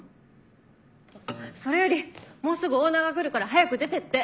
それよりもうすぐオーナーが来るから早く出てって。